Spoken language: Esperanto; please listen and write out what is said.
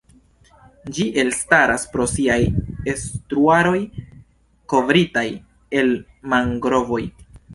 Ĝi elstaras pro siaj estuaroj kovritaj el mangrovoj.